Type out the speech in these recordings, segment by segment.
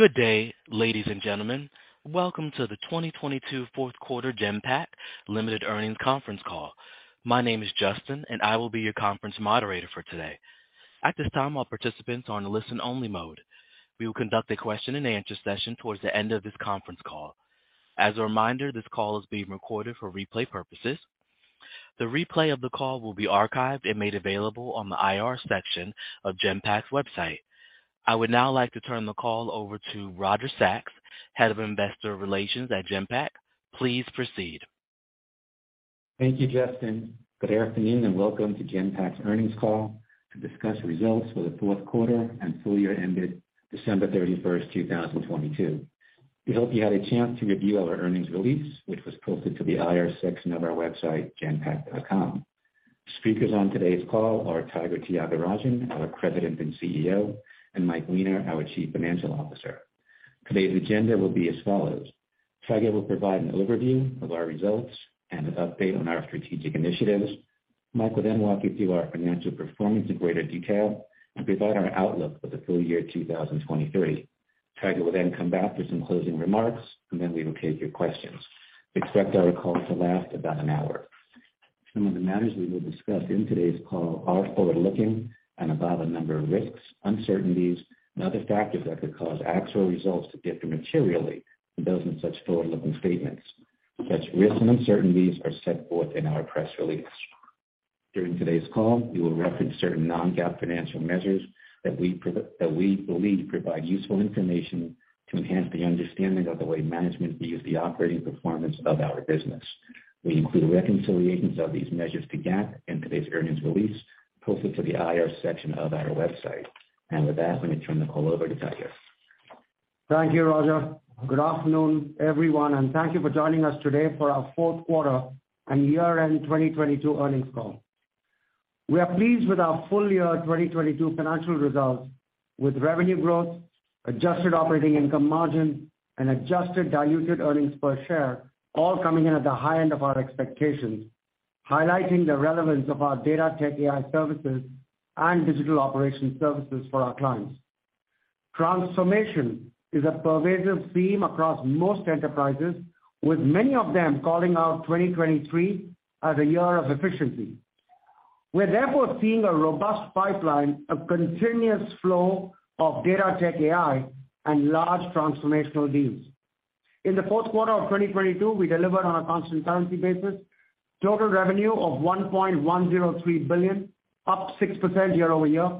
Good day, ladies and gentlemen. Welcome to the 2022 fourth quarter Genpact Limited earnings conference call. My name is Justin and I will be your conference moderator for today. At this time, all participants are on listen only mode. We will conduct a question and answer session towards the end of this conference call. As a reminder, this call is being recorded for replay purposes. The replay of the call will be archived and made available on the IR section of Genpact's website. I would now like to turn the call over to Roger Sachs, head of investor relations at Genpact. Please proceed. Thank you, Justin. Good afternoon and welcome to Genpact's earnings call to discuss results for the fourth quarter and full year ended December 31st, 2022. We hope you had a chance to review our earnings release, which was posted to the IR section of our website, genpact.com. Speakers on today's call are Tiger Tyagarajan, our president and CEO, and Mike Weiner, our chief financial officer. Today's agenda will be as follows. Tiger will provide an overview of our results and an update on our strategic initiatives. Mike will walk you through our financial performance in greater detail and provide our outlook for the full year 2023. Tiger will then come back for some closing remarks, and then we will take your questions. Expect our call to last about an hour. Some of the matters we will discuss in today's call are forward-looking and about a number of risks, uncertainties and other factors that could cause actual results to differ materially from those in such forward-looking statements. Such risks and uncertainties are set forth in our press release. During today's call, we will reference certain non-GAAP financial measures that we believe provide useful information to enhance the understanding of the way management views the operating performance of our business. We include reconciliations of these measures to GAAP in today's earnings release posted to the IR section of our website. With that, let me turn the call over to Tiger. Thank you, Roger Sachs. Good afternoon, everyone, thank you for joining us today for our fourth quarter and year-end 2022 earnings call. We are pleased with our full year 2022 financial results, with revenue growth, adjusted operating income margin, and adjusted diluted earnings per share, all coming in at the high end of our expectations, highlighting the relevance of our Data-Tech-AI services and digital operations services for our clients. Transformation is a pervasive theme across most enterprises, with many of them calling out 2023 as a year of efficiency. We're therefore seeing a robust pipeline, a continuous flow of Data-Tech-AI and large transformational deals. In the fourth quarter of 2022, we delivered on a constant currency basis total revenue of $1.103 billion, up 6% year-over-year.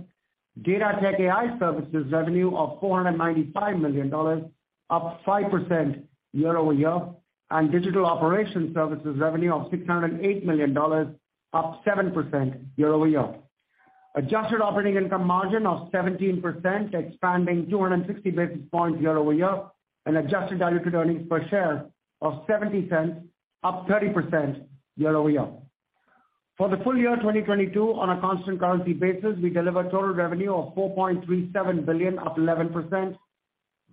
Data-Tech-AI services revenue of $495 million, up 5% year-over-year. Digital operations services revenue of $608 million, up 7% year-over-year. Adjusted operating income margin of 17%, expanding 260 basis points year-over-year. Adjusted diluted earnings per share of $0.70, up 30% year-over-year. For the full year 2022, on a constant currency basis, we delivered total revenue of $4.37 billion, up 11%.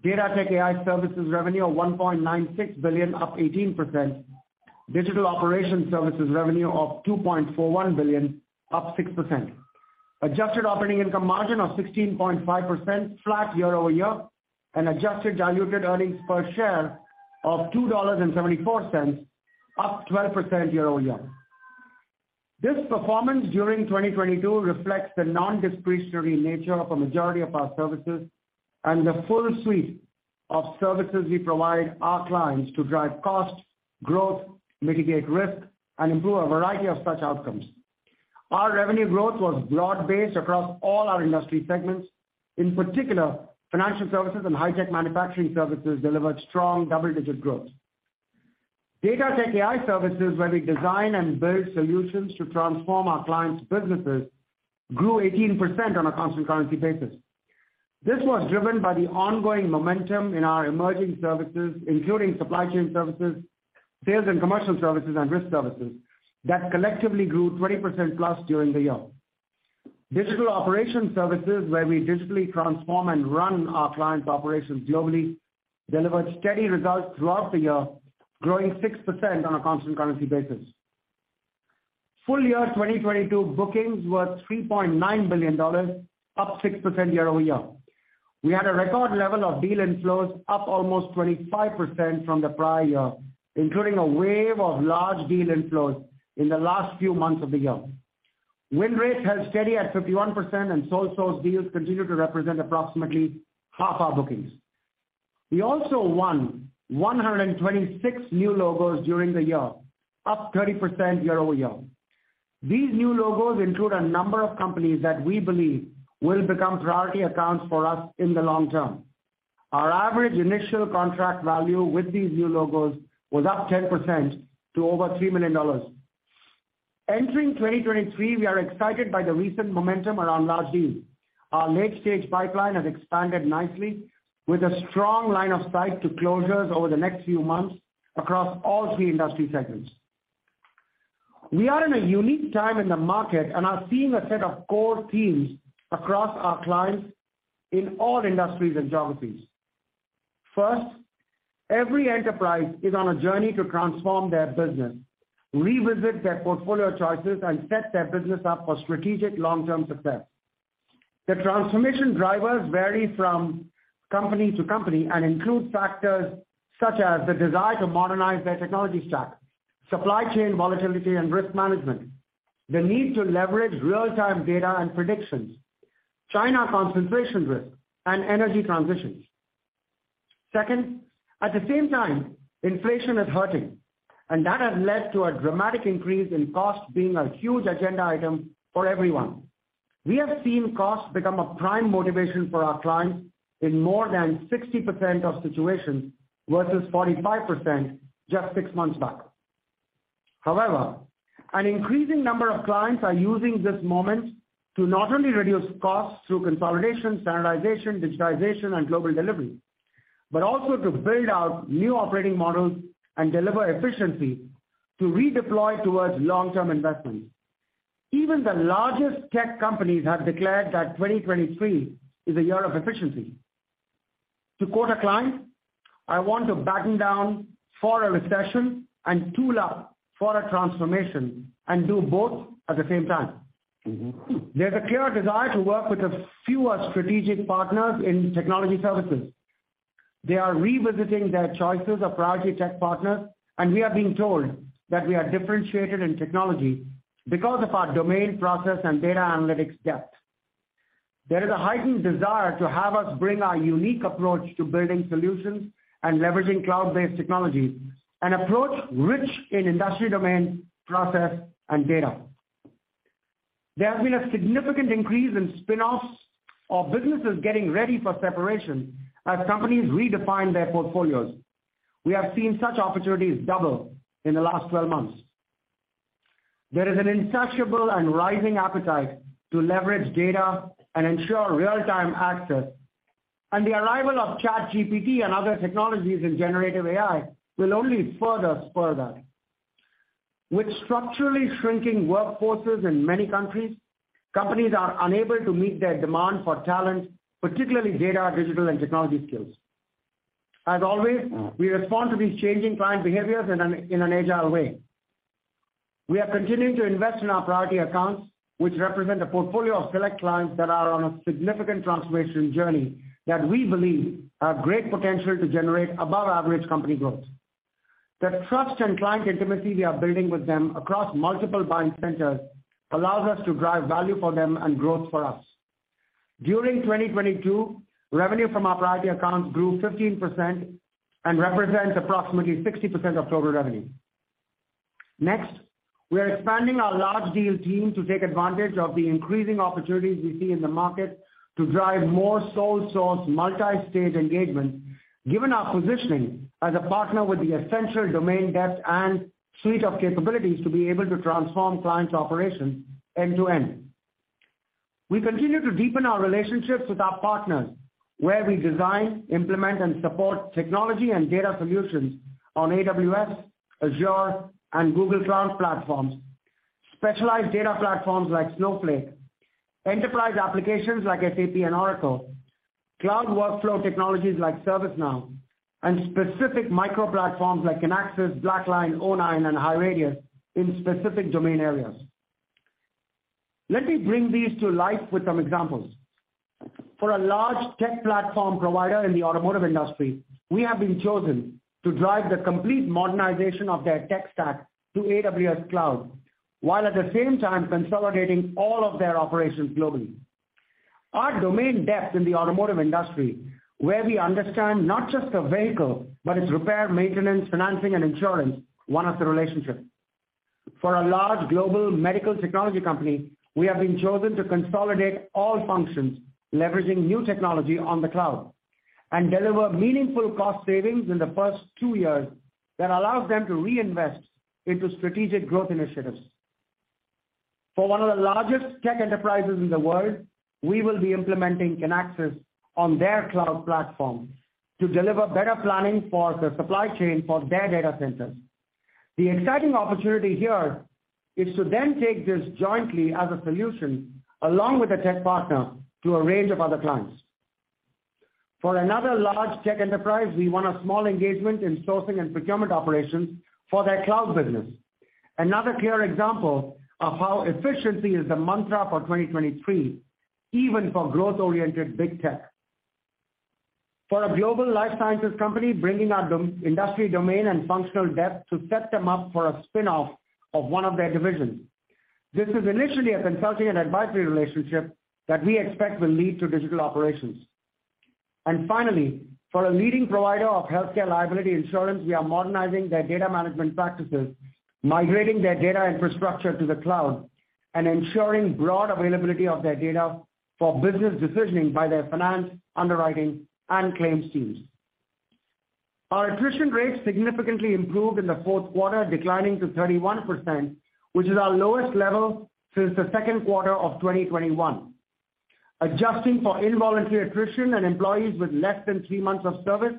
Data-Tech-AI services revenue of $1.96 billion, up 18%. Digital operations services revenue of $2.41 billion, up 6%. Adjusted operating income margin of 16.5%, flat year-over-year. Adjusted diluted earnings per share of $2.74, up 12% year-over-year. This performance during 2022 reflects the non-discretionary nature of a majority of our services and the full suite of services we provide our clients to drive costs, growth, mitigate risk, and improve a variety of such outcomes. Our revenue growth was broad-based across all our industry segments. In particular, financial services and high-tech manufacturing services delivered strong double-digit growth. Data-Tech-AI services, where we design and build solutions to transform our clients' businesses, grew 18% on a constant currency basis. This was driven by the ongoing momentum in our emerging services, including supply chain services, sales and commercial services, and risk services that collectively grew 20%+ during the year. Digital operations services, where we digitally transform and run our clients' operations globally, delivered steady results throughout the year, growing 6% on a constant currency basis. Full year 2022 bookings were $3.9 billion, up 6% year-over-year. We had a record level of deal inflows up almost 25% from the prior year, including a wave of large deal inflows in the last few months of the year. Win rates held steady at 51%, and sole source deals continued to represent approximately half our bookings. We also won 126 new logos during the year, up 30% year-over-year. These new logos include a number of companies that we believe will become priority accounts for us in the long term. Our average initial contract value with these new logos was up 10% to over $3 million. Entering 2023, we are excited by the recent momentum around large deals. Our late-stage pipeline has expanded nicely with a strong line of sight to closures over the next few months across all 3 industry segments. We are in a unique time in the market and are seeing a set of core themes across our clients in all industries and geographies. First, every enterprise is on a journey to transform their business, revisit their portfolio choices, and set their business up for strategic long-term success. The transformation drivers vary from company to company and include factors such as the desire to modernize their technology stack, supply chain volatility and risk management, the need to leverage real-time data and predictions, China concentration risk, and energy transitions. Second, at the same time, inflation is hurting, and that has led to a dramatic increase in cost being a huge agenda item for everyone. We have seen costs become a prime motivation for our clients in more than 60% of situations, versus 45% just 6 months back. An increasing number of clients are using this moment to not only reduce costs through consolidation, standardization, digitization, and global delivery, but also to build out new operating models and deliver efficiency to redeploy towards long-term investments. Even the largest tech companies have declared that 2023 is a year of efficiency. To quote a client, "I want to batten down for a recession and tool up for a transformation, and do both at the same time. Mm-hmm. There's a clear desire to work with a fewer strategic partners in technology services. They are revisiting their choices of priority tech partners, and we are being told that we are differentiated in technology because of our domain process and data analytics depth. There is a heightened desire to have us bring our unique approach to building solutions and leveraging cloud-based technologies, an approach rich in industry domain, process, and data. There has been a significant increase in spinoffs of businesses getting ready for separation as companies redefine their portfolios. We have seen such opportunities double in the last 12 months. There is an insatiable and rising appetite to leverage data and ensure real-time access, and the arrival of ChatGPT and other technologies in generative AI will only further spur that. With structurally shrinking workforces in many countries, companies are unable to meet their demand for talent, particularly data, digital, and technology skills. As always, we respond to these changing client behaviors in an agile way. We are continuing to invest in our priority accounts, which represent a portfolio of select clients that are on a significant transformation journey that we believe have great potential to generate above average company growth. The trust and client intimacy we are building with them across multiple buying centers allows us to drive value for them and growth for us. During 2022, revenue from our priority accounts grew 15% and represents approximately 60% of total revenue. Next, we are expanding our large deal team to take advantage of the increasing opportunities we see in the market to drive more sole source multi-stage engagement, given our positioning as a partner with the essential domain depth and suite of capabilities to be able to transform clients' operations end to end. We continue to deepen our relationships with our partners, where we design, implement, and support technology and data solutions on AWS, Azure, and Google Cloud platforms, specialized data platforms like Snowflake, enterprise applications like SAP and Oracle, cloud workflow technologies like ServiceNow, and specific micro platforms like Kinaxis, BlackLine, o9, and HighRadius in specific domain areas. Let me bring these to life with some examples. For a large tech platform provider in the automotive industry, we have been chosen to drive the complete modernization of their tech stack to AWS Cloud, while at the same time consolidating all of their operations globally. Our domain depth in the automotive industry, where we understand not just the vehicle, but its repair, maintenance, financing and insurance, won us the relationship. For a large global medical technology company, we have been chosen to consolidate all functions leveraging new technology on the cloud and deliver meaningful cost savings in the first two years that allows them to reinvest into strategic growth initiatives. For one of the largest tech enterprises in the world, we will be implementing Kinaxis on their cloud platform to deliver better planning for the supply chain for their data centers. The exciting opportunity here is to take this jointly as a solution, along with a tech partner, to a range of other clients. For another large tech enterprise, we won a small engagement in sourcing and procurement operations for their cloud business. Another clear example of how efficiency is the mantra for 2023, even for growth-oriented big tech. For a global life sciences company, bringing our industry domain and functional depth to set them up for a spinoff of one of their divisions. This is initially a consulting and advisory relationship that we expect will lead to digital operations. Finally, for a leading provider of healthcare liability insurance, we are modernizing their data management practices, migrating their data infrastructure to the cloud, and ensuring broad availability of their data for business decisioning by their finance, underwriting, and claims teams. Our attrition rate significantly improved in the fourth quarter, declining to 31%, which is our lowest level since the second quarter of 2021. Adjusting for involuntary attrition and employees with less than three months of service,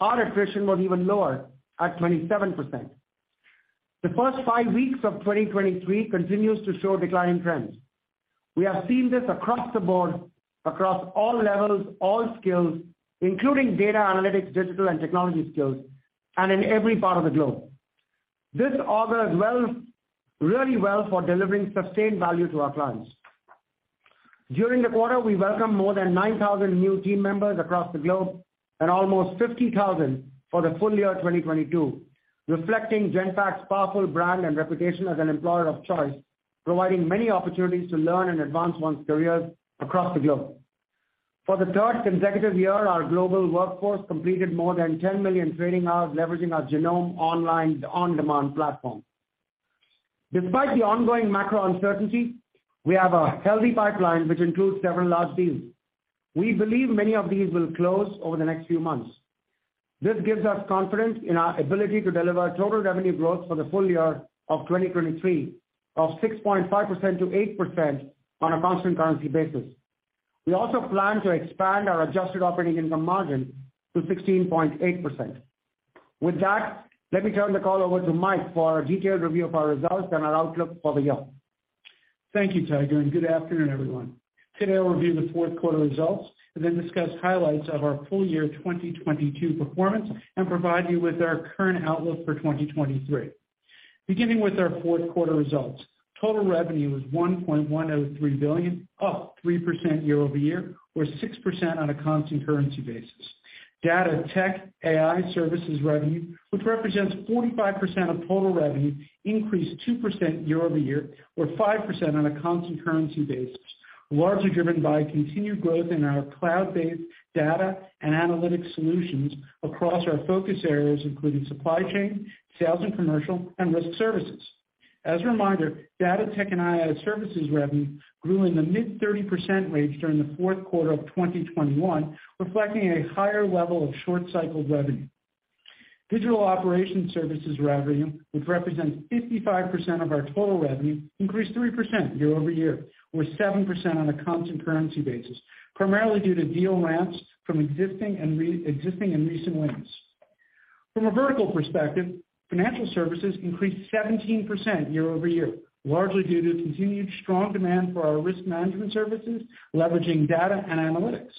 our attrition was even lower at 27%. The first five weeks of 2023 continues to show declining trends. We have seen this across the board, across all levels, all skills, including data analytics, digital and technology skills, and in every part of the globe. This augurs well, really well for delivering sustained value to our clients. During the quarter, we welcomed more than 9,000 new team members across the globe and almost 50,000 for the full year 2022, reflecting Genpact's powerful brand and reputation as an employer of choice, providing many opportunities to learn and advance one's careers across the globe. For the third consecutive year, our global workforce completed more than 10 million training hours leveraging our Genome online on-demand platform. Despite the ongoing macro uncertainty, we have a healthy pipeline which includes several large deals. We believe many of these will close over the next few months. This gives us confidence in our ability to deliver total revenue growth for the full year of 2023 of 6.5%-8% on a constant currency basis. We also plan to expand our adjusted operating income margin to 16.8%. With that, let me turn the call over to Mike for a detailed review of our results and our outlook for the year. Thank you, Tiger, and good afternoon, everyone. Today, I'll review the fourth quarter results and then discuss highlights of our full year 2022 performance and provide you with our current outlook for 2023. Beginning with our fourth quarter results. Total revenue is $1.103 billion, up 3% year-over-year, or 6% on a constant currency basis. Data-Tech-AI services revenue, which represents 45% of total revenue, increased 2% year-over-year, or 5% on a constant currency basis, largely driven by continued growth in our cloud-based data and analytics solutions across our focus areas, including supply chain, sales and commercial, and risk services. As a reminder, Data-Tech-AI services revenue grew in the mid-30% range during the fourth quarter of 2021, reflecting a higher level of short-cycle revenue. Digital operation services revenue, which represents 55% of our total revenue, increased 3% year-over-year, or 7% on a constant currency basis, primarily due to deal ramps from existing and recent wins. From a vertical perspective, financial services increased 17% year-over-year, largely due to continued strong demand for our risk management services leveraging data and analytics.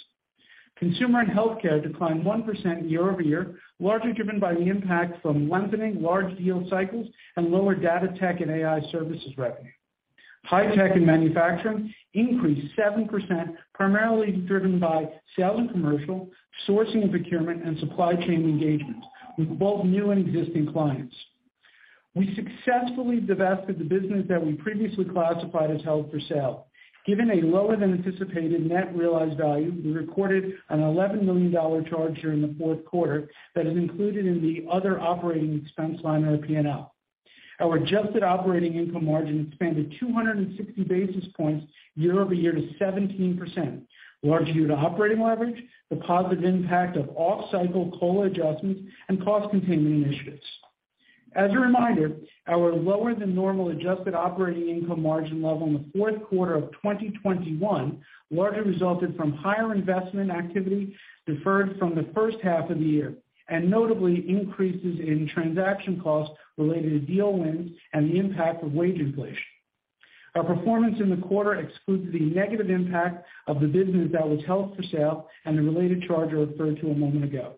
Consumer and healthcare declined 1% year-over-year, largely driven by the impact from lengthening large deal cycles and lower Data-Tech-AI services revenue. High tech and manufacturing increased 7%, primarily driven by sales and commercial, sourcing and procurement, and supply chain engagements with both new and existing clients. We successfully divested the business that we previously classified as held for sale. Given a lower than anticipated net realized value, we recorded an $11 million charge during the fourth quarter that is included in the other operating expense line of our P&L. Our adjusted operating income margin expanded 260 basis points year-over-year to 17%, largely due to operating leverage, the positive impact of off-cycle COLA adjustments, and cost containment initiatives. As a reminder, our lower than normal adjusted operating income margin level in the fourth quarter of 2021 largely resulted from higher investment activity deferred from the first half of the year. Notably, increases in transaction costs related to deal wins and the impact of wage inflation. Our performance in the quarter excludes the negative impact of the business that was held for sale and the related charge I referred to a moment ago.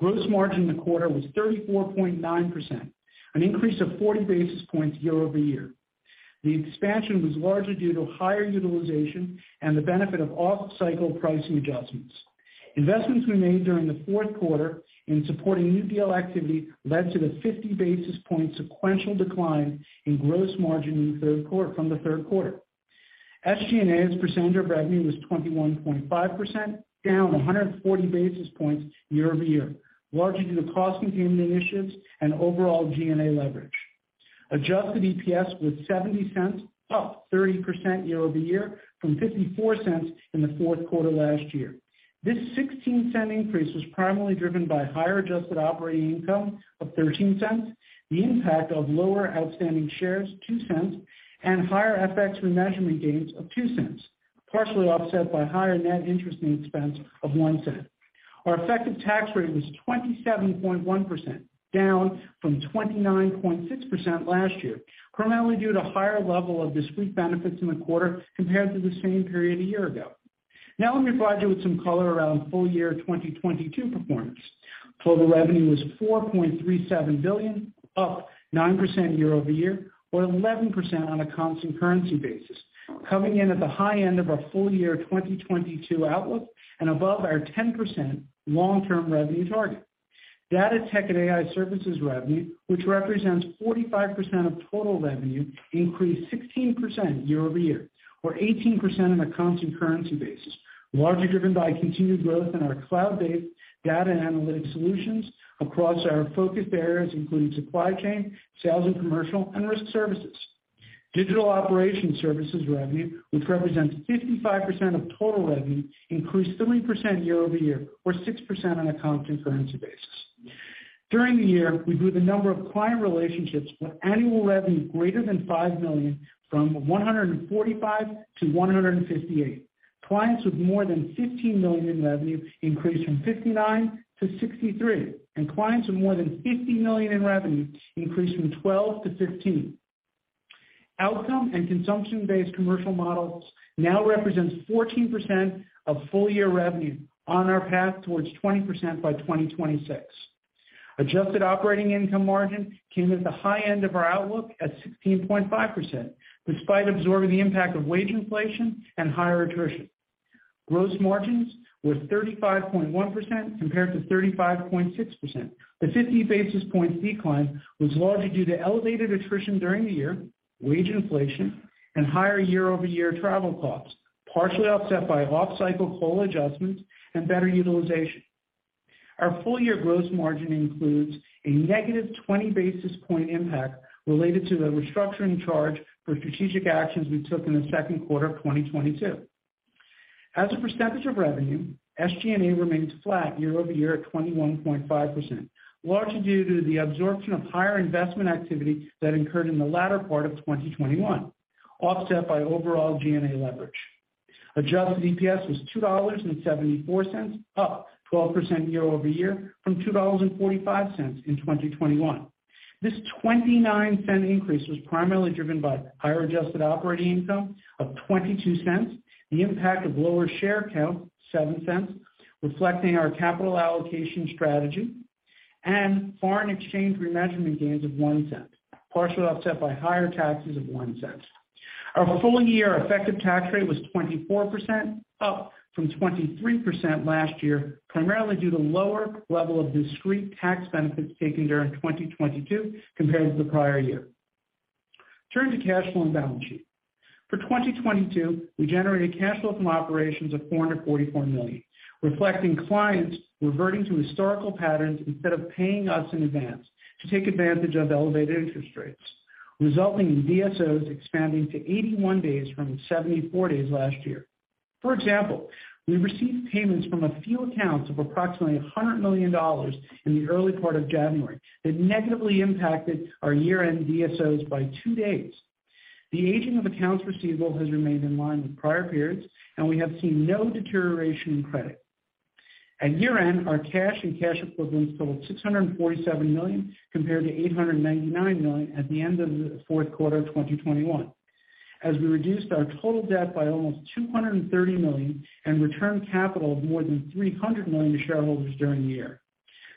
Gross margin in the quarter was 34.9%, an increase of 40 basis points year-over-year. The expansion was largely due to higher utilization and the benefit of off-cycle pricing adjustments. Investments we made during the fourth quarter in supporting new deal activity led to the 50 basis point sequential decline in gross margin from the third quarter. SG&A as a percentage of revenue was 21.5%, down 140 basis points year-over-year, largely due to cost containment initiatives and overall G&A leverage. Adjusted EPS was $0.70, up 30% year-over-year from $0.54 in the fourth quarter last year. This $0.16 increase was primarily driven by higher adjusted operating income of $0.13, the impact of lower outstanding shares, $0.02, and higher FX remeasurement gains of $0.02, partially offset by higher net interest and expense of $0.01. Our effective tax rate was 27.1%, down from 29.6% last year, primarily due to higher level of discrete benefits in the quarter compared to the same period a year ago. Let me provide you with some color around full year 2022 performance. Total revenue was $4.37 billion, up 9% year-over-year, or 11% on a constant currency basis, coming in at the high end of our full year 2022 outlook and above our 10% long-term revenue target. Data-Tech-AI services revenue, which represents 45% of total revenue, increased 16% year-over-year, or 18% on a constant currency basis, largely driven by continued growth in our cloud-based data and analytics solutions across our focus areas, including supply chain, sales and commercial, and risk services. Digital operation services revenue, which represents 55% of total revenue, increased 3% year-over-year, or 6% on a constant currency basis. During the year, we grew the number of client relationships with annual revenue greater than $5 million from 145-158. Clients with more than $15 million in revenue increased from 59-63, and clients with more than $50 million in revenue increased from 12-15. Outcome and consumption-based commercial models now represents 14% of full-year revenue on our path towards 20% by 2026. Adjusted operating income margin came at the high end of our outlook at 16.5%, despite absorbing the impact of wage inflation and higher attrition. Gross margins were 35.1% compared to 35.6%. The 50 basis points decline was largely due to elevated attrition during the year, wage inflation, and higher year-over-year travel costs, partially offset by off-cycle COLA adjustments and better utilization. Our full year gross margin includes a negative 20 basis point impact related to the restructuring charge for strategic actions we took in the second quarter of 2022. As a percentage of revenue, SG&A remains flat year-over-year at 21.5%, largely due to the absorption of higher investment activity that incurred in the latter part of 2021, offset by overall G&A leverage. Adjusted EPS was $2.74, up 12% year-over-year from $2.45 in 2021. This $0.29 increase was primarily driven by higher adjusted operating income of $0.22, the impact of lower share count, $0.07, reflecting our capital allocation strategy and foreign exchange remeasurement gains of $0.01, partially offset by higher taxes of $0.01. Our full year effective tax rate was 24%, up from 23% last year, primarily due to lower level of discrete tax benefits taken during 2022 compared to the prior year. Turning to cash flow and balance sheet. For 2022, we generated cash flow from operations of $444 million, reflecting clients reverting to historical patterns instead of paying us in advance to take advantage of elevated interest rates, resulting in DSOs expanding to 81 days from 74 days last year. For example, we received payments from a few accounts of approximately $100 million in the early part of January that negatively impacted our year-end DSOs by 2 days. The aging of accounts receivable has remained in line with prior periods, and we have seen no deterioration in credit. At year-end, our cash and cash equivalents totaled $647 million compared to $899 million at the end of the fourth quarter of 2021, as we reduced our total debt by almost $230 million and returned capital of more than $300 million to shareholders during the year.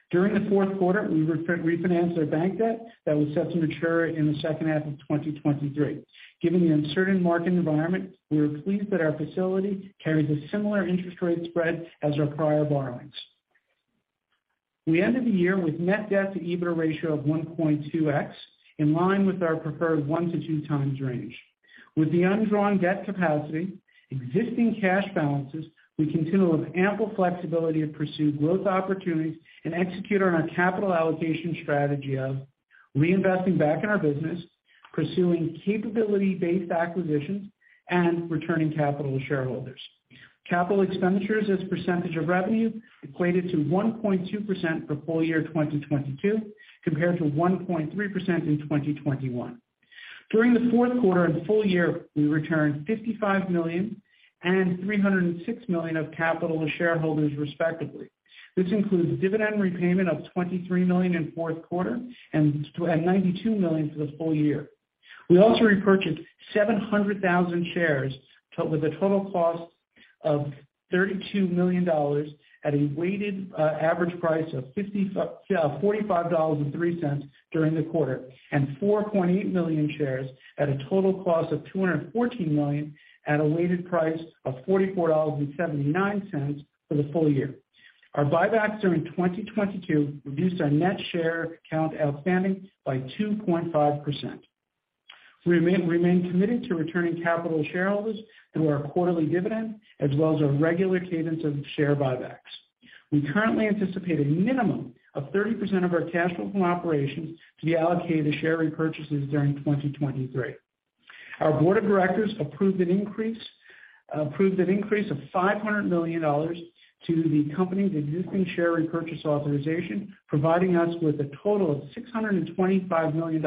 During the fourth quarter, we refinanced our bank debt that was set to mature in the second half of 2023. Given the uncertain market environment, we are pleased that our facility carries a similar interest rate spread as our prior borrowings. We ended the year with net debt to EBITDA ratio of 1.2x, in line with our preferred 1x to 2x range. With the undrawn debt capacity, existing cash balances, we continue with ample flexibility to pursue growth opportunities and execute on our capital allocation strategy of reinvesting back in our business, pursuing capability-based acquisitions, and returning capital to shareholders. Capital expenditures as % of revenue equated to 1.2% for full year 2022 compared to 1.3% in 2021. During the fourth quarter and full year, we returned $55 million and $306 million of capital to shareholders, respectively. This includes dividend repayment of $23 million in fourth quarter and $92 million for the full year. We also repurchased 700,000 shares with a total cost of $32 million at a weighted average price of $45.03 during the quarter, and 4.8 million shares at a total cost of $214 million at a weighted price of $44.79 for the full year. Our buybacks during 2022 reduced our net share count outstanding by 2.5%. We remain committed to returning capital to shareholders through our quarterly dividend as well as our regular cadence of share buybacks. We currently anticipate a minimum of 30% of our cash flow from operations to be allocated to share repurchases during 2023. Our board of directors approved an increase of $500 million to the company's existing share repurchase authorization, providing us with a total of $625 million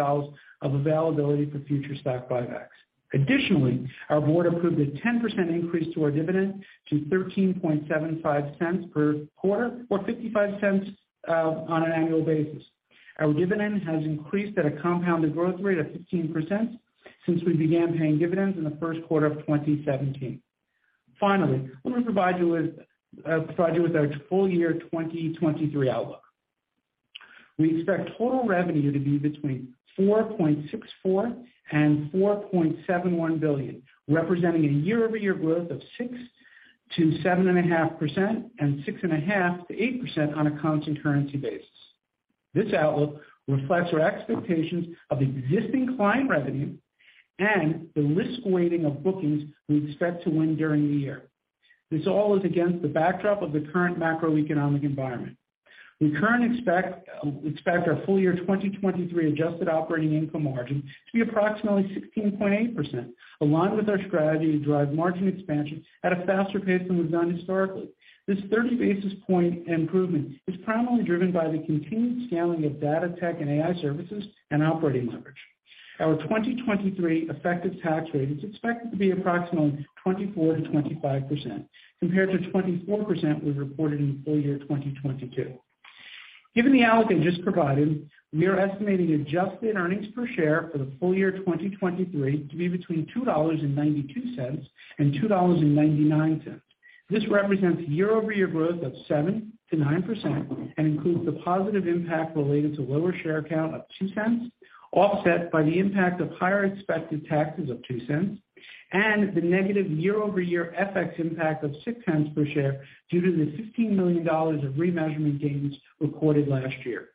of availability for future stock buybacks. Additionally, our board approved a 10% increase to our dividend to $0.1375 per quarter or $0.55 on an annual basis. Our dividend has increased at a compounded growth rate of 15% since we began paying dividends in the first quarter of 2017. Finally, let me provide you with our full year 2023 outlook. We expect total revenue to be between $4.64 billion and $4.71 billion, representing a year-over-year growth of 6%-7.5% and 6.5%-8% on a constant currency basis. This outlook reflects our expectations of existing client revenue and the risk weighting of bookings we expect to win during the year. This all is against the backdrop of the current macroeconomic environment. We expect our full year 2023 adjusted operating income margin to be approximately 16.8%, aligned with our strategy to drive margin expansion at a faster pace than we've done historically. This 30 basis point improvement is primarily driven by the continued scaling of Data-Tech-AI services and operating leverage. Our 2023 effective tax rate is expected to be approximately 24%-25% compared to 24% we reported in full year 2022. Given the outlook I just provided, we are estimating adjusted earnings per share for the full year 2023 to be between $2.92 and $2.99. This represents year-over-year growth of 7%-9% and includes the positive impact related to lower share count of $0.02, offset by the impact of higher expected taxes of $0.02 and the negative year-over-year FX impact of $0.06 per share due to the $15 million of remeasurement gains recorded last year.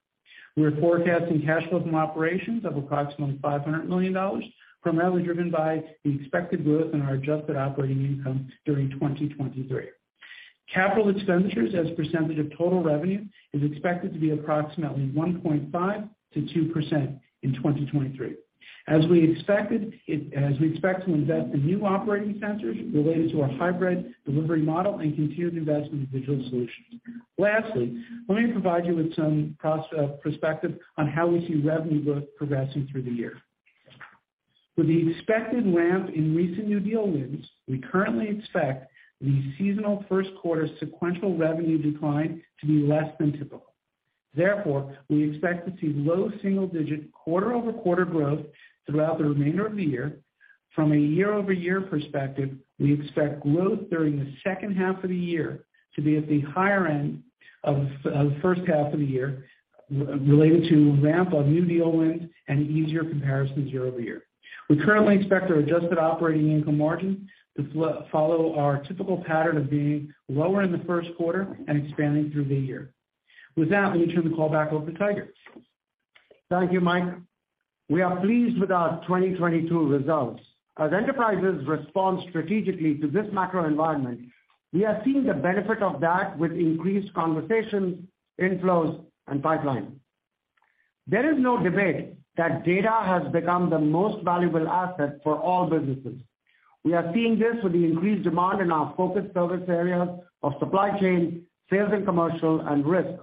We are forecasting cash flow from operations of approximately $500 million, primarily driven by the expected growth in our adjusted operating income during 2023. Capital expenditures as a percentage of total revenue is expected to be approximately 1.5%-2% in 2023. As we expect to invest in new operating centers related to our hybrid delivery model and continued investment in digital solutions. Lastly, let me provide you with some pros perspective on how we see revenue growth progressing through the year. With the expected ramp in recent new deal wins, we currently expect the seasonal first quarter sequential revenue decline to be less than typical. Therefore, we expect to see low single-digit quarter-over-quarter growth throughout the remainder of the year. From a year-over-year perspective, we expect growth during the second half of the year to be at the higher end of first half of the year related to ramp on new deal wins and easier comparisons year-over-year. We currently expect our adjusted operating income margin to follow our typical pattern of being lower in the first quarter and expanding through the year. With that, let me turn the call back over to Tiger. Thank you, Mike. We are pleased with our 2022 results. Enterprises respond strategically to this macro environment, we are seeing the benefit of that with increased conversations, inflows and pipeline. There is no debate that data has become the most valuable asset for all businesses. We are seeing this with the increased demand in our focus service areas of supply chain, sales and commercial and risk,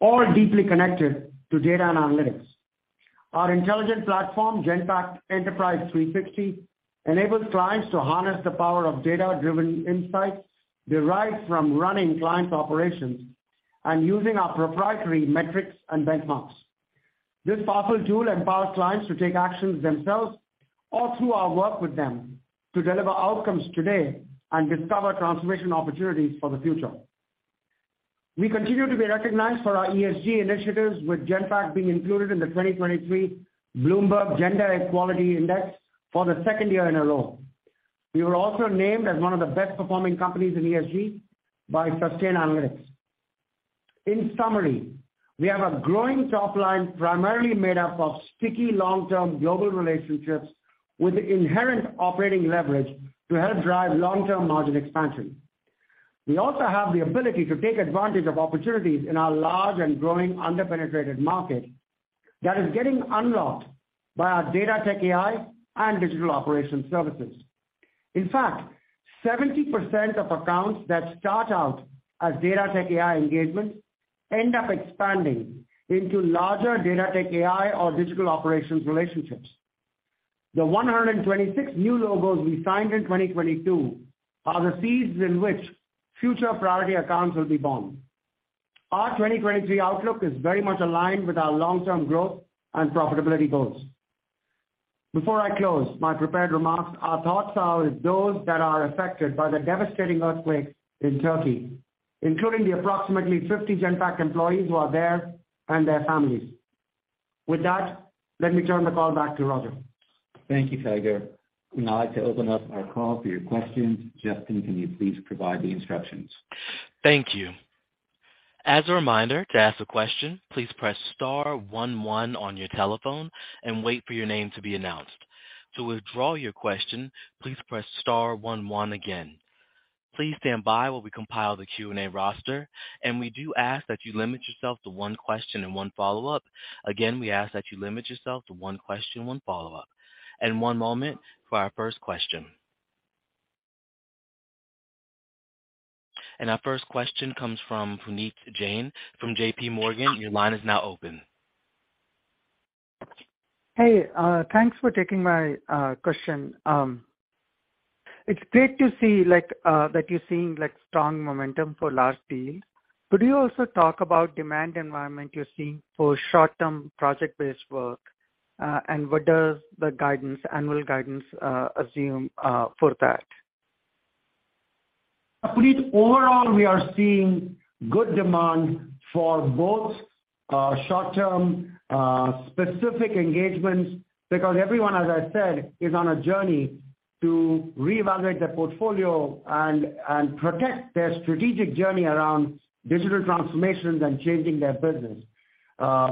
all deeply connected to data and analytics. Our intelligent platform, Genpact Enterprise360, enables clients to harness the power of data-driven insights derived from running client operations and using our proprietary metrics and benchmarks. This powerful tool empowers clients to take actions themselves or through our work with them to deliver outcomes today and discover transformation opportunities for the future. We continue to be recognized for our ESG initiatives, with Genpact being included in the 2023 Bloomberg Gender-Equality Index for the second year in a row. We were also named as one of the best-performing companies in ESG by Sustainalytics. In summary, we have a growing top line primarily made up of sticky long-term global relationships with the inherent operating leverage to help drive long-term margin expansion. We also have the ability to take advantage of opportunities in our large and growing under-penetrated market that is getting unlocked by our Data-Tech-AI and digital operations services. In fact, 70% of accounts that start out as Data-Tech-AI engagements end up expanding into larger Data-Tech-AI or digital operations relationships. The 126 new logos we signed in 2022 are the seeds in which future priority accounts will be born. Our 2023 outlook is very much aligned with our long-term growth and profitability goals. Before I close my prepared remarks, our thoughts are with those that are affected by the devastating earthquake in Turkey, including the approximately 50 Genpact employees who are there and their families. With that, let me turn the call back to Roger. Thank you, Tiger. We'd now like to open up our call for your questions. Justin, can you please provide the instructions? Thank you. As a reminder, to ask a question, please press star 1 1 on your telephone and wait for your name to be announced. To withdraw your question, please press star 1 1 again. Please stand by while we compile the Q&A roster, we do ask that you limit yourself to 1 question and 1 follow-up. Again, we ask that you limit yourself to 1 question, 1 follow-up. 1 moment for our first question. Our first question comes from Puneet Jain from JPMorgan. Your line is now open. Hey, thanks for taking my question. It's great to see like that you're seeing like strong momentum for large deals. Could you also talk about demand environment you're seeing for short-term project-based work? What does the guidance, annual guidance, assume for that? Puneet, overall, we are seeing good demand for both short-term specific engagements because everyone, as I said, is on a journey to reevaluate their portfolio and protect their strategic journey around digital transformations and changing their business. Of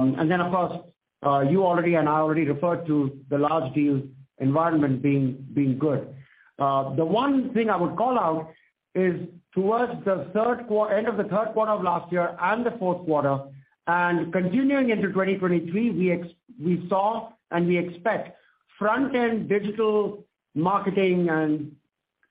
course, you already and I already referred to the large deal environment being good. The one thing I would call out is towards the end of the 3rd quarter of last year and the 4th quarter, continuing into 2023, we saw and we expect front-end digital marketing and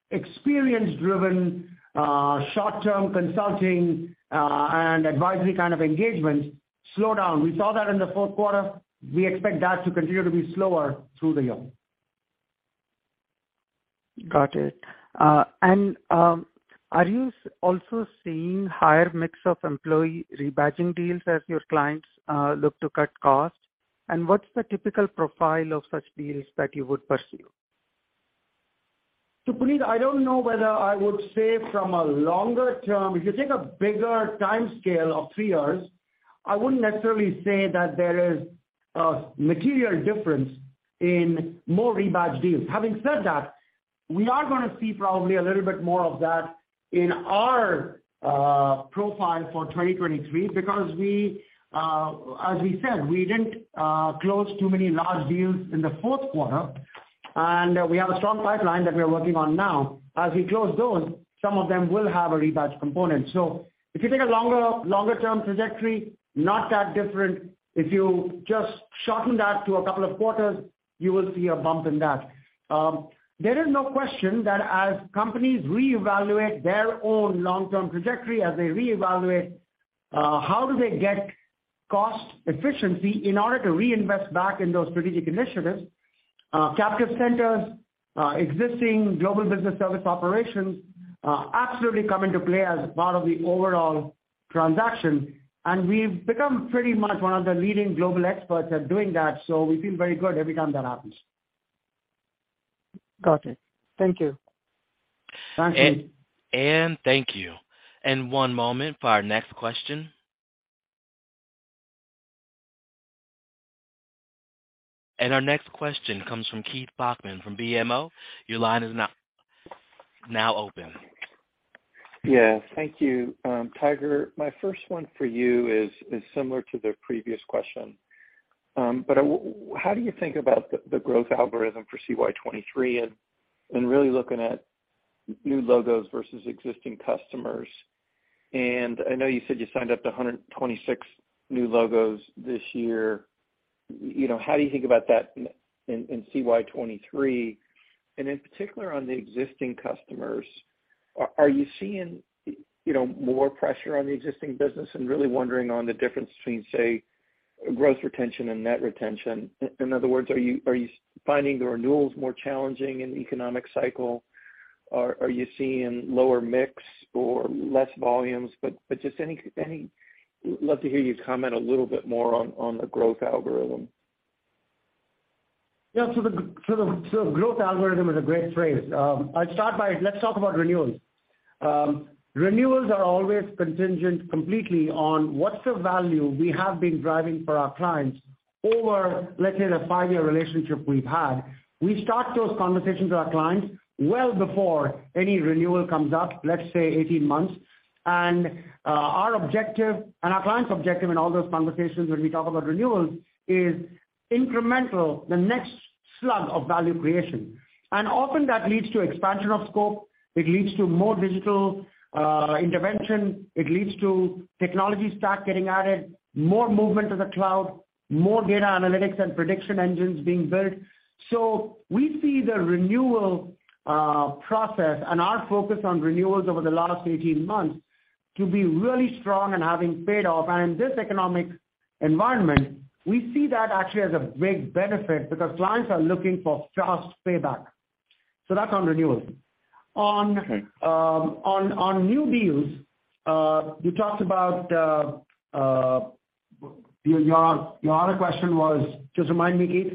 Experience-driven short-term consulting and advisory kind of engagements slow down. We saw that in the 4th quarter. We expect that to continue to be slower through the year. Got it. Are you also seeing higher mix of employee rebadging deals as your clients, look to cut costs? What's the typical profile of such deals that you would pursue? Puneet, I don't know whether I would say from a longer term, if you take a bigger timescale of three years, I wouldn't necessarily say that there is a material difference in more rebadge deals. Having said that, we are gonna see probably a little bit more of that in our profile for 2023 because we, as we said, we didn't close too many large deals in the fourth quarter, and we have a strong pipeline that we are working on now. As we close those, some of them will have a rebadge component. If you take a longer-term trajectory, not that different. If you just shorten that to a couple of quarters, you will see a bump in that. there is no question that as companies reevaluate their own long-term trajectory, as they reevaluate, how do they get cost efficiency in order to reinvest back in those strategic initiatives, captive centers, existing global business service operations, absolutely come into play as part of the overall transaction. We've become pretty much one of the leading global experts at doing that, so we feel very good every time that happens. Got it. Thank you. Thank you. Thank you. One moment for our next question. Our next question comes from Keith Bachman from BMO. Your line is now open. Yeah. Thank you. Tiger, my first one for you is similar to the previous question. But how do you think about the growth algorithm for CY '23 and really looking at new logos versus existing customers? And I know you said you signed up to 126 new logos this year. You know, how do you think about that in CY '23? And in particular, on the existing customers, are you seeing, you know, more pressure on the existing business? I'm really wondering on the difference between, say, growth retention and net retention. In other words, are you finding the renewals more challenging in the economic cycle? Are you seeing lower mix or less volumes? Just any. Love to hear you comment a little bit more on the growth algorithm. Yeah. So the growth algorithm is a great phrase. I'll start by let's talk about renewals. Renewals are always contingent completely on what's the value we have been driving for our clients over, let's say, the five-year relationship we've had. We start those conversations with our clients well before any renewal comes up, let's say 18 months. Our objective and our clients' objective in all those conversations when we talk about renewals is incremental, the next slug of value creation. Often that leads to expansion of scope. It leads to more digital intervention. It leads to technology stack getting added, more movement to the cloud, more data analytics and prediction engines being built. We see the renewal process and our focus on renewals over the last 18 months to be really strong and having paid off. In this economic environment, we see that actually as a big benefit because clients are looking for fast payback. That's on renewals. On new deals, you talked about your other question was. Just remind me, Keith.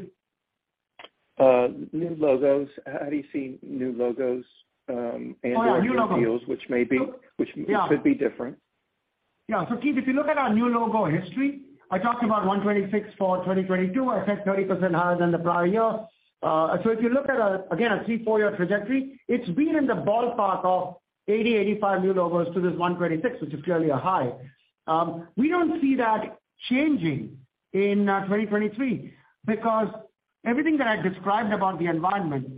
New logos. How do you see new logos? Oh, yeah. New logos.... and/or new deals, which may Yeah which could be different. Yeah. Keith, if you look at our new logo history, I talked about 126 for 2022. I said 30% higher than the prior year. If you look at, again, a three, four-year trajectory, it's been in the ballpark of 80, 85 new logos to this 126, which is clearly a high. We don't see that changing in 2023 because everything that I described about the environment,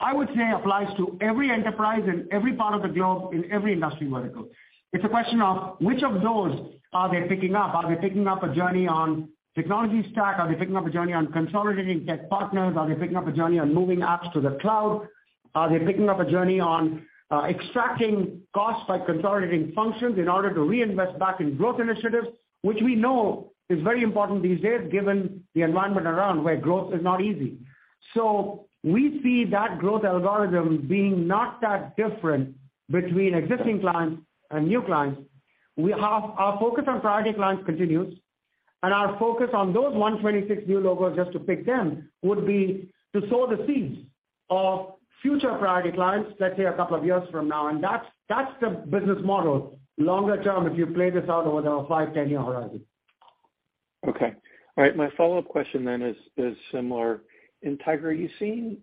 I would say applies to every enterprise in every part of the globe in every industry vertical. It's a question of which of those are they picking up. Are they picking up a journey on technology stack? Are they picking up a journey on consolidating tech partners? Are they picking up a journey on moving apps to the cloud? Are they picking up a journey on extracting costs by consolidating functions in order to reinvest back in growth initiatives, which we know is very important these days given the environment around where growth is not easy. We see that growth algorithm being not that different between existing clients and new clients. Our focus on priority clients continues, and our focus on those 126 new logos, just to pick them, would be to sow the seeds of future priority clients, let's say a couple of years from now. That's, that's the business model longer term, if you play this out over the 5, 10-year horizon. Okay. All right. My follow-up question then is similar. Tiger, are you seeing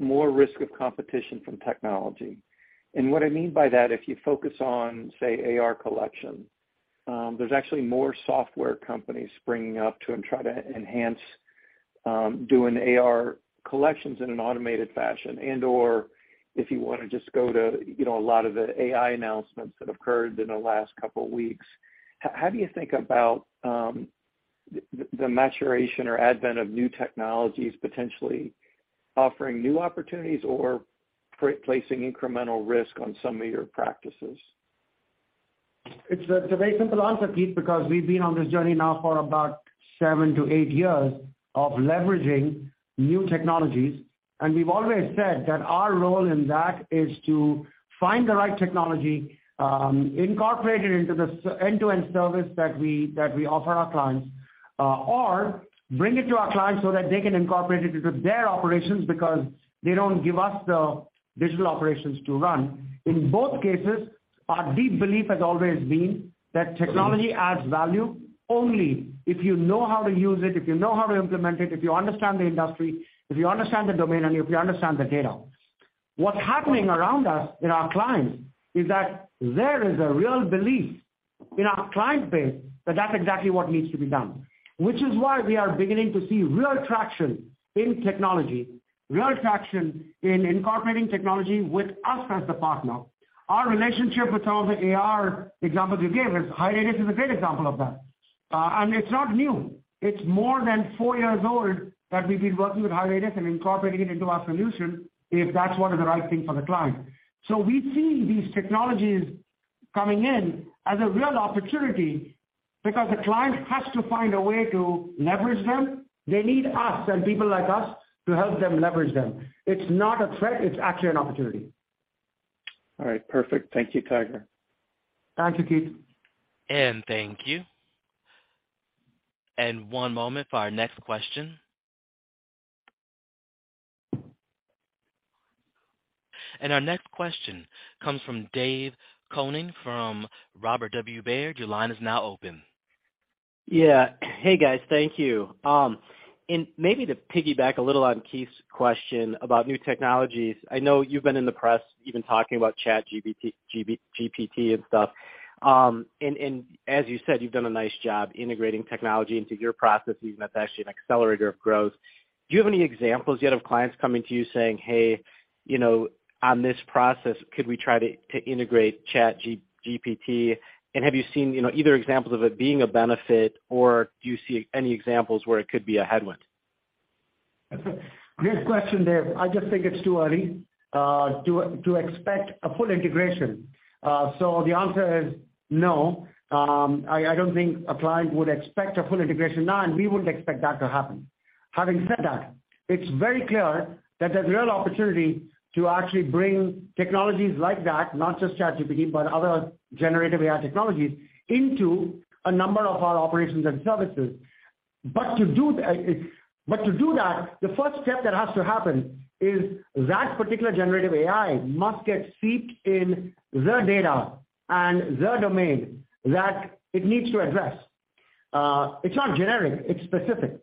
more risk of competition from technology? What I mean by that, if you focus on, say, AR collection, there's actually more software companies springing up to try to enhance doing AR collections in an automated fashion and/or if you wanna just go to, you know, a lot of the AI announcements that occurred in the last couple weeks, how do you think about the maturation or advent of new technologies potentially offering new opportunities or placing incremental risk on some of your practices? It's a very simple answer, Keith, because we've been on this journey now for about 7-8 years of leveraging new technologies. We've always said that our role in that is to find the right technology, incorporate it into this end-to-end service that we offer our clients, or bring it to our clients so that they can incorporate it into their operations because they don't give us the digital operations to run. In both cases, our deep belief has always been that technology adds value only if you know how to use it, if you know how to implement it, if you understand the industry, if you understand the domain, and if you understand the data. What's happening around us in our clients is that there is a real belief in our client base that that's exactly what needs to be done, which is why we are beginning to see real traction in technology, real traction in incorporating technology with us as the partner. Our relationship with some of the AR examples you gave is, HighRadius is a great example of that. It's not new. It's more than four years old that we've been working with HighRadius and incorporating it into our solution if that's what is the right thing for the client. We see these technologies coming in as a real opportunity because the client has to find a way to leverage them. They need us and people like us to help them leverage them. It's not a threat, it's actually an opportunity. All right. Perfect. Thank you, Tiger. Thank you, Keith. Thank you. One moment for our next question. Our next question comes from Dave Koning from Robert W. Baird. Your line is now open. Yeah. Hey, guys. Thank you. Maybe to piggyback a little on Keith's question about new technologies. I know you've been in the press even talking about ChatGPT and stuff. And as you said, you've done a nice job integrating technology into your processes, and that's actually an accelerator of growth. Do you have any examples yet of clients coming to you saying, "Hey, you know, on this process, could we try to integrate ChatGPT?" Have you seen, you know, either examples of it being a benefit, or do you see any examples where it could be a headwind? Great question, Dave Koning. I just think it's too early to expect a full integration. The answer is no. I don't think a client would expect a full integration now, and we wouldn't expect that to happen. Having said that, it's very clear that there's real opportunity to actually bring technologies like that, not just ChatGPT, but other generative AI technologies, into a number of our operations and services. To do that, the first step that has to happen is that particular generative AI must get steeped in their data and their domain that it needs to address. It's not generic, it's specific.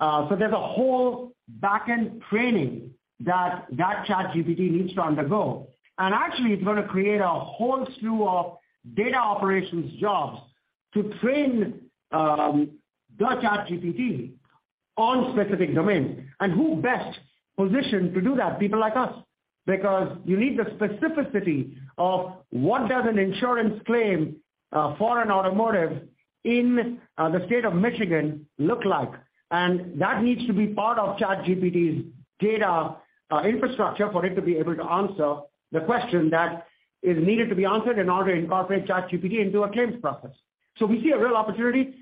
There's a whole backend training that that ChatGPT needs to undergo. Actually it's gonna create a whole slew of data operations jobs to train the ChatGPT on specific domains. Who best positioned to do that? People like us. You need the specificity of what does an insurance claim for an automotive in the state of Michigan look like. That needs to be part of ChatGPT's data infrastructure for it to be able to answer the question that is needed to be answered in order to incorporate ChatGPT into a claims process. We see a real opportunity.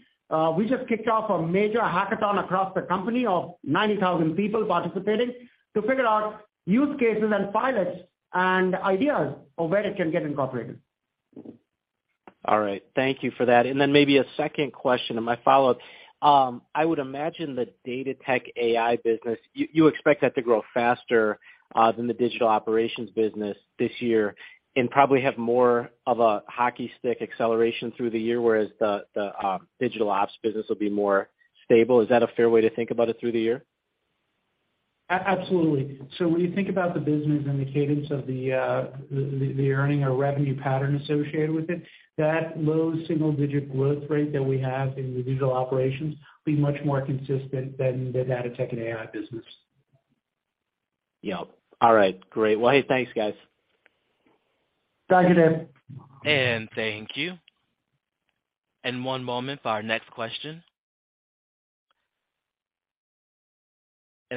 We just kicked off a major hackathon across the company of 90,000 people participating to figure out use cases and pilots and ideas of where it can get incorporated. All right. Thank you for that. Then maybe a second question in my follow-up. I would imagine the Data-Tech-AI business, you expect that to grow faster than the digital operations business this year and probably have more of a hockey stick acceleration through the year, whereas the digital ops business will be more stable. Is that a fair way to think about it through the year? Absolutely. When you think about the business and the cadence of the earning or revenue pattern associated with it, that low single-digit growth rate that we have in the digital operations will be much more consistent than the Data-Tech-AI business. Yep. All right, great. Well, hey, thanks, guys. Thank you, Dave. Thank you. One moment for our next question.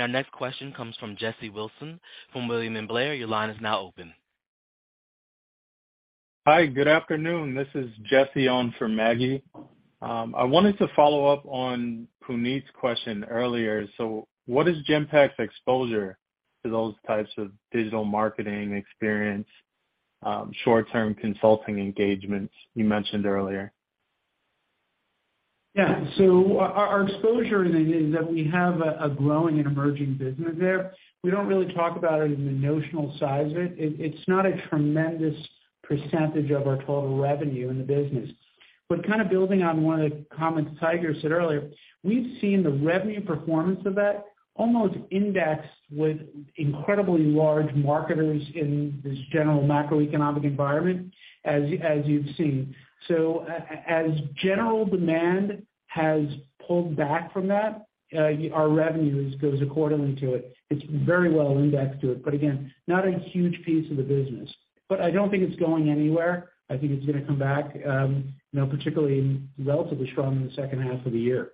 Our next question comes from Jesse Wilson from William Blair. Your line is now open. Hi, good afternoon. This is Jesse on for Maggie. I wanted to follow up on Puneet's question earlier. What is Genpact's exposure to those types of digital marketing experience, short-term consulting engagements you mentioned earlier? Our exposure in it is that we have a growing and emerging business there. We don't really talk about it in the notional size of it. It's not a tremendous percentage of our total revenue in the business. Kind of building on one of the comments Tiger said earlier, we've seen the revenue performance of that almost indexed with incredibly large marketers in this general macroeconomic environment, as you've seen. As general demand has pulled back from that, our revenues goes accordingly to it. It's very well indexed to it, but again, not a huge piece of the business. I don't think it's going anywhere. I think it's gonna come back, you know, particularly relatively strong in the second half of the year.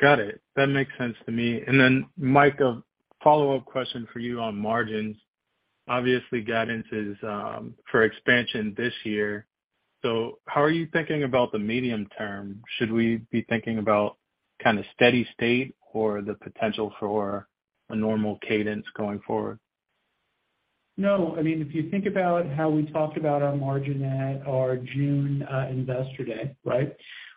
Got it. That makes sense to me. Mike, a follow-up question for you on margins. Obviously, guidance is for expansion this year. How are you thinking about the medium term? Should we be thinking about kinda steady-state or the potential for a normal cadence going forward? No. I mean, if you think about how we talked about our margin at our June Investor Day, right?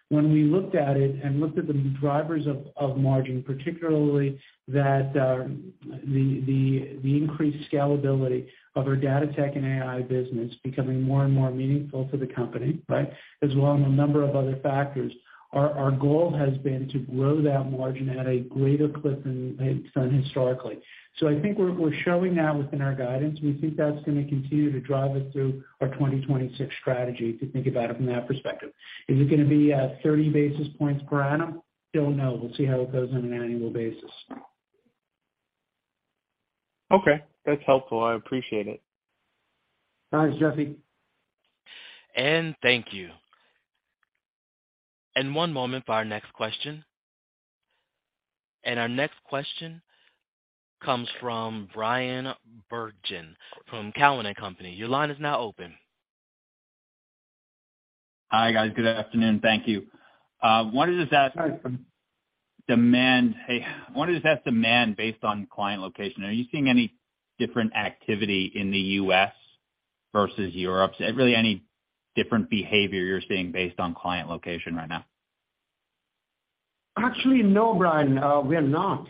When we looked at it and looked at the drivers of margin, particularly that the increased scalability of our Data-Tech-AI business becoming more and more meaningful to the company, right? As well as a number of other factors, our goal has been to grow that margin at a greater clip than it's done historically. I think we're showing that within our guidance. We think that's gonna continue to drive us through our 2026 strategy, if you think about it from that perspective. Is it gonna be 30 basis points per annum? Don't know. We'll see how it goes on an annual basis. Okay. That's helpful. I appreciate it. Thanks, Jesse. Thank you. One moment for our next question. Our next question comes from Bryan Bergin from Cowen and Company. Your line is now open. Hi, guys. Good afternoon. Thank you. wanted to just ask- Hi. -demand. Hey, wanted to just ask demand based on client location. Are you seeing any different activity in the U.S. versus Europe? Really any different behavior you're seeing based on client location right now? Actually, no, Bryan. We are not.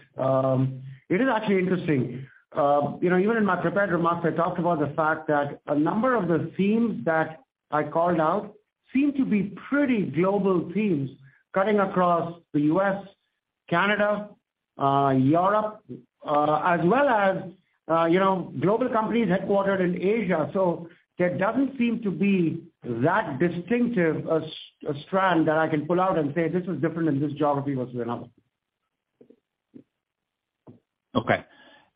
It is actually interesting. You know, even in my prepared remarks, I talked about the fact that a number of the themes that I called out seem to be pretty global themes cutting across the U.S., Canada, Europe, as well as, you know, global companies headquartered in Asia. There doesn't seem to be that distinctive a strand that I can pull out and say, "This is different in this geography versus another. Okay.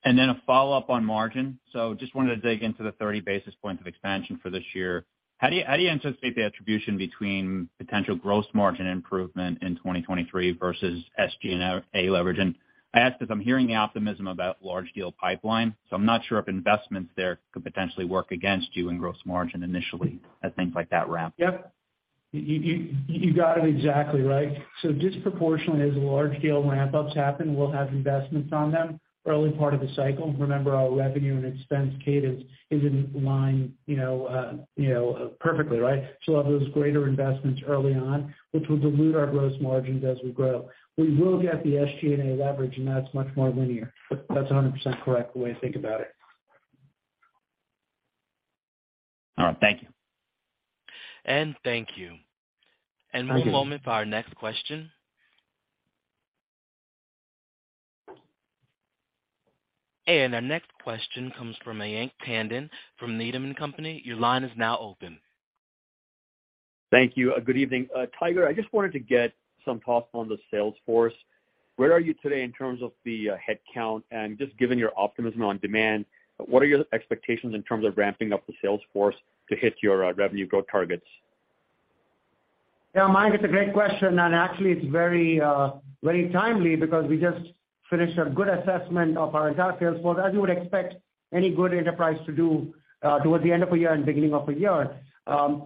A follow-up on margin. Just wanted to dig into the 30 basis points of expansion for this year. How do you anticipate the attribution between potential gross margin improvement in 2023 versus SG&A leverage? I ask 'cause I'm hearing the optimism about large deal pipeline, so I'm not sure if investments there could potentially work against you in gross margin initially as things like that ramp. Yep. You got it exactly right. Disproportionately, as large scale ramp-ups happen, we'll have investments on them early part of the cycle. Remember, our revenue and expense cadence is in line, you know, perfectly, right? We'll have those greater investments early on, which will dilute our gross margins as we grow. We will get the SG&A leverage, that's much more linear. That's 100% correct, the way to think about it. All right. Thank you. Thank you. Thank you. One moment for our next question. Our next question comes from Mayank Tandon from Needham & Company. Your line is now open. Thank you. Good evening. Tiger, I just wanted to get some thoughts on the sales force. Where are you today in terms of the headcount? Just given your optimism on demand, what are your expectations in terms of ramping up the sales force to hit your revenue growth targets? Yeah, Mayank, it's a great question. Actually it's very timely because we just finished a good assessment of our entire sales force, as you would expect any good enterprise to do, towards the end of a year and beginning of a year.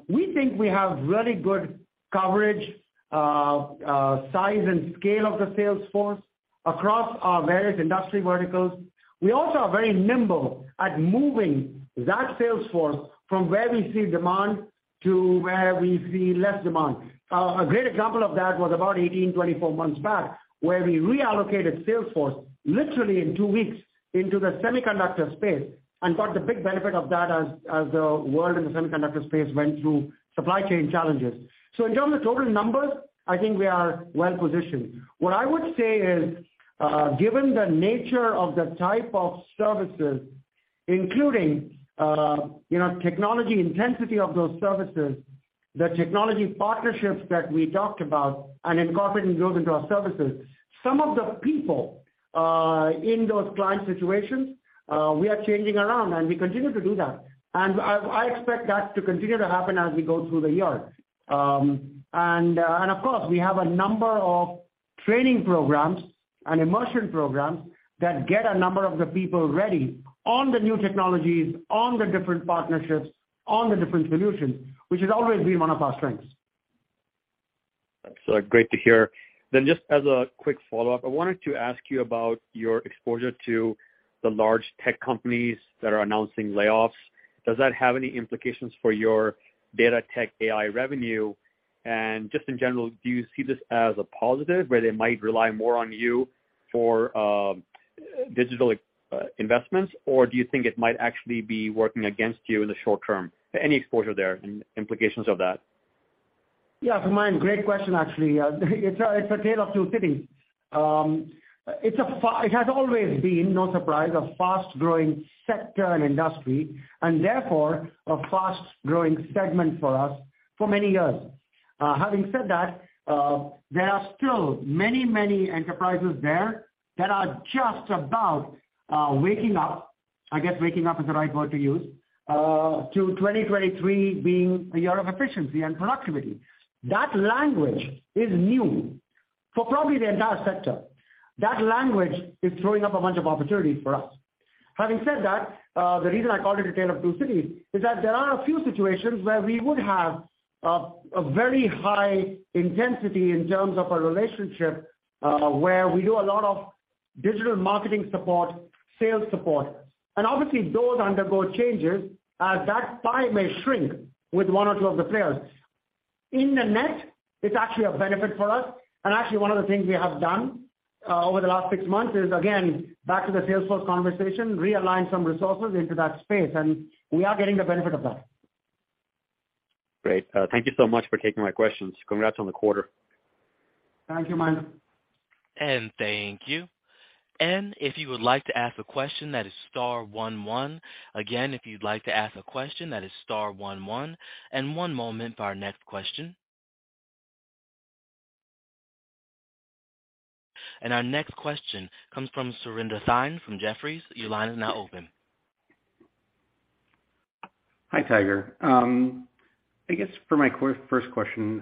We think we have really good coverage, size and scale of the sales force across our various industry verticals. We also are very nimble at moving that sales force from where we see demand to where we see less demand. A great example of that was about 18, 24 months back, where we reallocated sales force literally in 2 weeks into the semiconductor space and got the big benefit of that as the world in the semiconductor space went through supply chain challenges. In terms of total numbers, I think we are well-positioned. What I would say is, given the nature of the type of services, including, you know, technology intensity of those services, the technology partnerships that we talked about and incorporating those into our services, some of the people in those client situations, we are changing around, and we continue to do that. I expect that to continue to happen as we go through the year. Of course, we have a number of training programs and immersion programs that get a number of the people ready on the new technologies, on the different partnerships, on the different solutions, which has always been one of our strengths. Excellent. Great to hear. Just as a quick follow-up, I wanted to ask you about your exposure to the large tech companies that are announcing layoffs. Does that have any implications for your Data-Tech-AI revenue? Just in general, do you see this as a positive where they might rely more on you for digital investments? Do you think it might actually be working against you in the short term? Any exposure there and implications of that? Yeah. Mayank Tandon, great question actually. It's a, it's A Tale of Two Cities. It has always been no surprise, a fast-growing sector and industry and therefore a fast-growing segment for us for many years. Having said that, there are still many, many enterprises there that are just about waking up I guess waking up is the right word to use, to 2023 being a year of efficiency and productivity. That language is new for probably the entire sector. That language is throwing up a bunch of opportunities for us. Having said that, the reason I called it A Tale of Two Cities is that there are a few situations where we would have a very high intensity in terms of a relationship, where we do a lot of digital marketing support, sales support, and obviously those undergo changes. That pie may shrink with one or two of the players. In the net, it's actually a benefit for us, and actually one of the things we have done over the last six months is again, back to the sales force conversation, realigned some resources into that space, and we are getting the benefit of that. Great. Thank you so much for taking my questions. Congrats on the quarter. Thank you, Mayank. Thank you. If you would like to ask a question, that is star 11. Again, if you'd like to ask a question, that is star 11, and 1 moment for our next question. Our next question comes from Surinder Thind from Jefferies. Your line is now open. Hi, Tiger. I guess for my first question,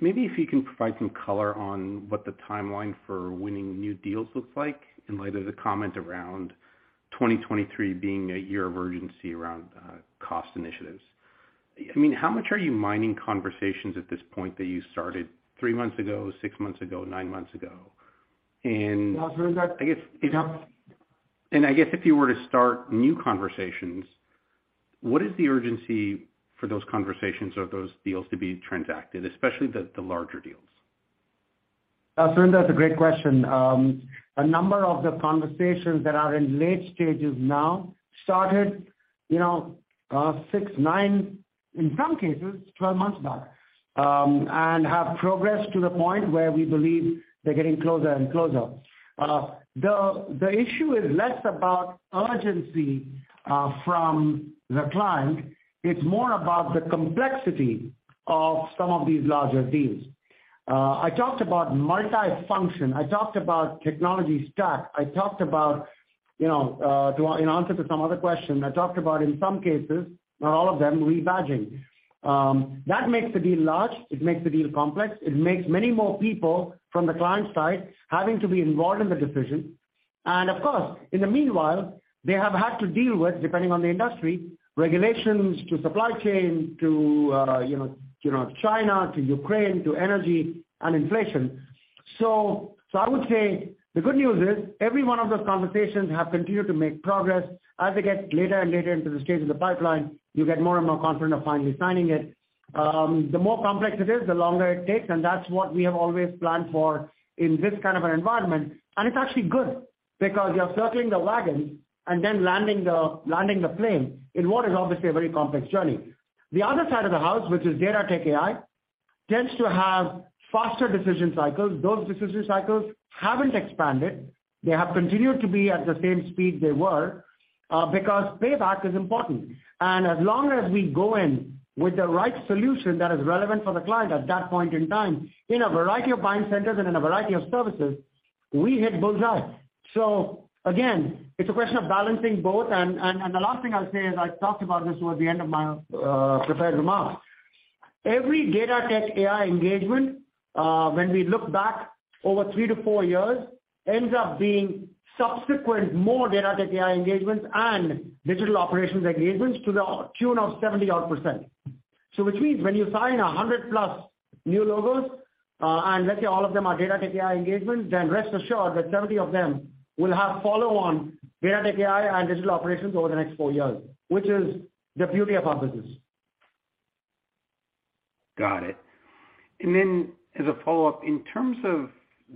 maybe if you can provide some color on what the timeline for winning new deals looks like in light of the comment around 2023 being a year of urgency around cost initiatives. I mean, how much are you mining conversations at this point that you started 3 months ago, 6 months ago, 9 months ago? No, Surinder- I guess- Yeah. I guess if you were to start new conversations, what is the urgency for those conversations or those deals to be transacted, especially the larger deals? Surinder, that's a great question. A number of the conversations that are in late stages now started, you know, six, nine, in some cases, 12 months back, and have progressed to the point where we believe they're getting closer and closer. The issue is less about urgency from the client. It's more about the complexity of some of these larger deals. I talked about multifunction. I talked about technology stack. I talked about, you know, an answer to some other question. I talked about, in some cases, not all of them, rebadging. That makes the deal large. It makes the deal complex. It makes many more people from the client side having to be involved in the decision. Of course, in the meanwhile, they have had to deal with, depending on the industry, regulations to supply chain to, you know, China, to Ukraine, to energy and inflation. I would say the good news is every one of those conversations have continued to make progress. As we get later and later into the stage of the pipeline, you get more and more confident of finally signing it. The more complex it is, the longer it takes, and that's what we have always planned for in this kind of an environment. It's actually good because you're circling the wagon and then landing the plane in what is obviously a very complex journey. The other side of the house, which is Data Tech AI, tends to have faster decision cycles. Those decision cycles haven't expanded. They have continued to be at the same speed they were because payback is important. As long as we go in with the right solution that is relevant for the client at that point in time, in a variety of buying centers and in a variety of services, we hit bullseye. Again, it's a question of balancing both, and the last thing I'll say is I talked about this towards the end of my prepared remarks. Every Data-Tech-AI engagement, when we look back over 3-4 years, ends up being subsequent more Data-Tech-AI engagements and digital operations engagements to the tune of 70 odd %. Which means when you sign 100+ new logos, and let's say all of them are Data-Tech-AI engagements, then rest assured that 70 of them will have follow on Data-Tech-AI and digital operations over the next four years, which is the beauty of our business. Got it. As a follow-up, in terms of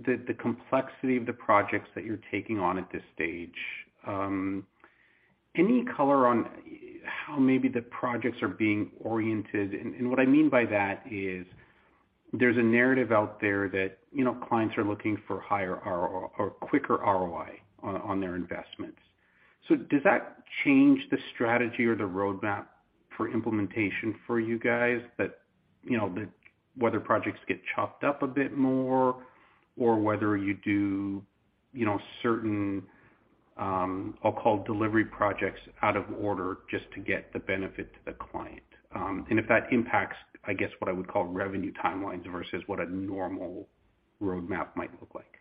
the complexity of the projects that you're taking on at this stage, any color on how maybe the projects are being oriented? What I mean by that is there's a narrative out there that, you know, clients are looking for higher or quicker ROI on their investments. Does that change the strategy or the roadmap for implementation for you guys that... You know, whether projects get chopped up a bit more or whether you do, you know, certain, I'll call delivery projects out of order just to get the benefit to the client. If that impacts, I guess, what I would call revenue timelines versus what a normal roadmap might look like.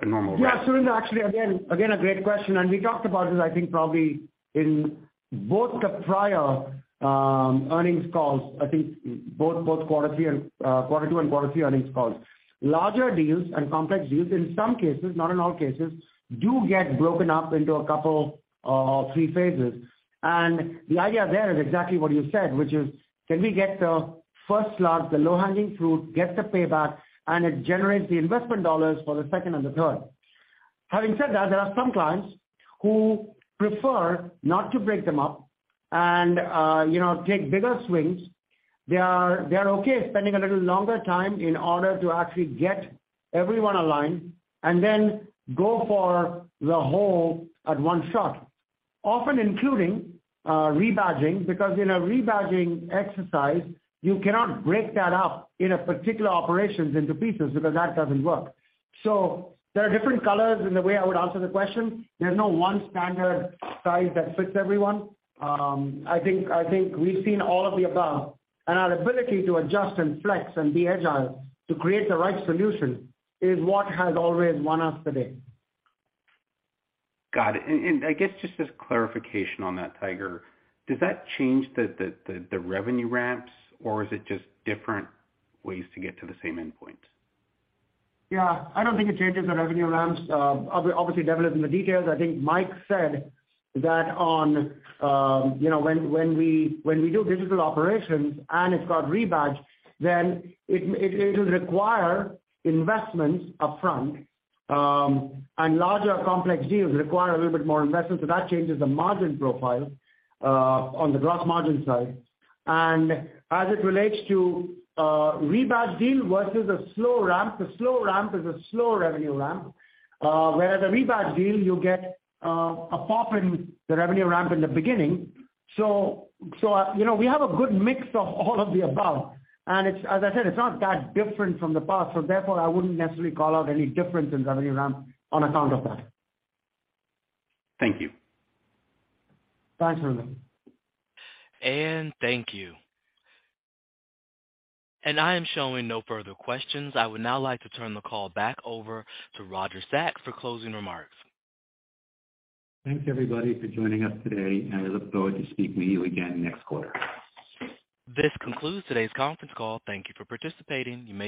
A normal... Yeah. Surinder, actually again, a great question, and we talked about this, I think, probably in both the prior earnings calls, I think both quarter three and quarter two and quarter three earnings calls. Larger deals and complex deals in some cases, not in all cases, do get broken up into a couple or three phases. The idea there is exactly what you said, which is can we get the first slot, the low-hanging fruit, get the payback, and it generates the investment dollars for the second and the third. Having said that, there are some clients who prefer not to break them up and, you know, take bigger swings. They are okay spending a little longer time in order to actually get everyone aligned and then go for the whole at one shot. Often including rebadging, because in a rebadging exercise, you cannot break that up in a particular operations into pieces because that doesn't work. There are different colors in the way I would answer the question. There's no one standard size that fits everyone. I think we've seen all of the above, and our ability to adjust and flex and be agile to create the right solution is what has always won us the day. Got it. I guess just as clarification on that, Tiger, does that change the revenue ramps, or is it just different ways to get to the same endpoint? I don't think it changes the revenue ramps. Obviously, devil is in the details. I think Mike said that on, you know, when we do digital operations and it's got rebadge, then it'll require investments upfront, and larger complex deals require a little bit more investment, so that changes the margin profile on the gross margin side. As it relates to a rebadge deal versus a slow ramp, the slow ramp is a slow revenue ramp, whereas a rebadge deal, you get a pop in the revenue ramp in the beginning. You know, we have a good mix of all of the above. It's, as I said, it's not that different from the past. Therefore, I wouldn't necessarily call out any difference in revenue ramp on account of that. Thank you. Thanks, Surinder. Thank you. I am showing no further questions. I would now like to turn the call back over to Roger Sachs for closing remarks. Thanks, everybody, for joining us today, and I look forward to speaking with you again next quarter. This concludes today's conference call. Thank you for participating. You may dis-